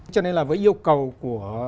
cho nên là với yêu cầu của